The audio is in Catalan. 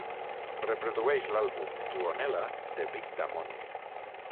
Reprodueix l'àlbum Tuonela de Vic Damone